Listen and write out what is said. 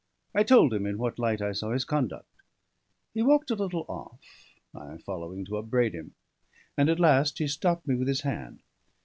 I told him in what light I saw his conduct; he walked a little off, I following to upbraid him; and at last he stopped me with his hand.